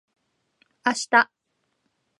あした